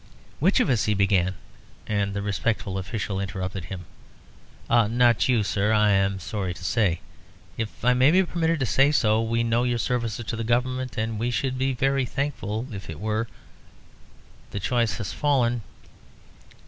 "Which of us," he began, and the respectful official interrupted him. "Not you, sir, I am sorry to say. If I may be permitted to say so, we know your services to the Government, and should be very thankful if it were. The choice has fallen...."